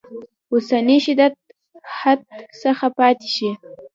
اوسني شدت حدت څخه پاتې شي.